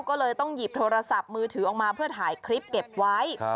ก็เลยต้องหยิบโทรศัพท์มือถือออกมาเพื่อถ่ายคลิปเก็บไว้